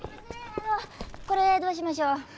あのこれどうしましょう？